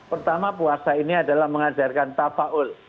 pertama puasa ini adalah mengajarkan tafaul